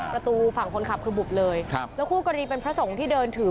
ประตูฝั่งคนขับคือบุบเลยครับแล้วคู่กรณีเป็นพระสงฆ์ที่เดินถือ